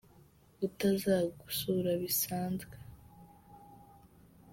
Utazagusura bisanzwe